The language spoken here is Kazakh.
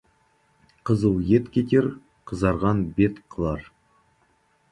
Қызыл ет кетер, қызарған бет қылар.